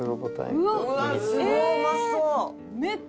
うまそう。